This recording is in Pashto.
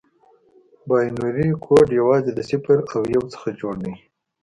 بایونري کوډ یوازې د صفر او یو څخه جوړ دی.